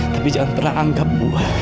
tapi jangan pernah anggap buah